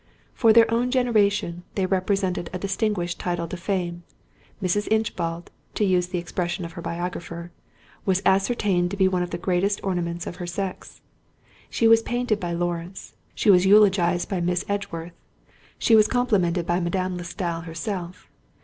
For their own generation, they represented a distinguished title to fame. Mrs. Inchbald—to use the expression of her biographer—"was ascertained to be one of the greatest ornaments of her sex." She was painted by Lawrence, she was eulogized by Miss Edgeworth, she was complimented by Madame de Stael herself.